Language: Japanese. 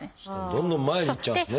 どんどん前にいっちゃうんですね。